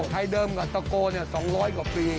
ไทยเดิมกับสกโกเนี่ย๒๐๐กว่าปี